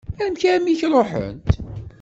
Amek armi i k-ṛuḥent?